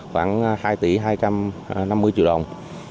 khoảng hai tỷ hai trăm năm mươi triệu đồng